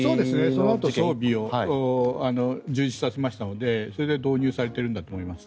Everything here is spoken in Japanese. そのあと装備を充実させましたのでそれで導入されているんだと思います。